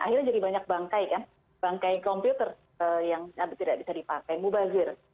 akhirnya jadi banyak bangkai kan bangkai komputer yang tidak bisa dipakai mubazir